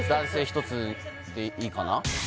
１つでいいかな？